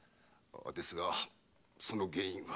ですがその原因は。